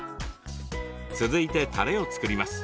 続いてたれを作ります。